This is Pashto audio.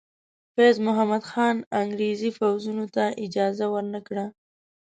فیض محمد خان انګریزي پوځیانو ته اجازه ور نه کړه.